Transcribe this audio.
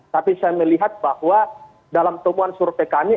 tapi saya melihat bahwa dalam temuan surpekani